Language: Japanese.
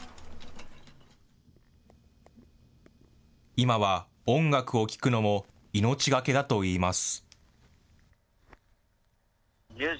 今は、音楽を聴くのも命懸けだといいます。